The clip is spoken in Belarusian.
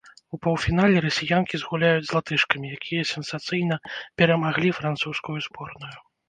У паўфінале расіянкі згуляюць з латышкамі, якія сенсацыйна перамаглі французскую зборную.